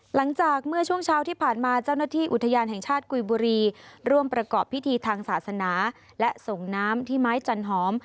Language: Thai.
หลังจากเมื่อช่วงเช้าที่ผ่านมาเจ้าหน้าที่อุทยานแห่งชาติกุยบุรีร่วมประกอบพิธีทางศาสนาและส่งน้ำที่ไม้จันหอม